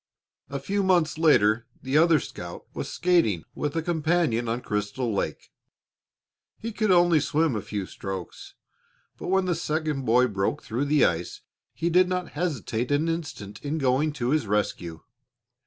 "A few months later the other scout was skating with a companion on Crystal Lake. He could swim only a few strokes, but when the second boy broke through the ice he did not hesitate an instant in going to his rescue.